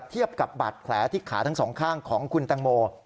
เทียบกับบาดแผลที่ขาทั้งสองข้างของคุณแตงโม